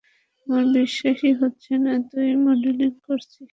আমার বিশ্বাসই হচ্ছে না তুই মডেলিং করছিস।